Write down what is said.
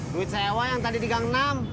duit sewa yang tadi di gang enam